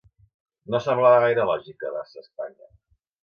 No semblava gaire lògic quedar-se a Espanya